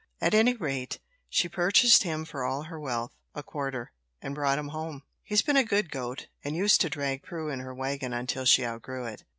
At any rate, she purchased him for all her wealth a quarter and brought him home. He's been a good goat, and used to drag Prue in her wagon until she outgrew it.